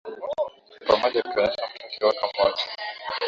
pamoja ikionyesha mtu akiwaka moto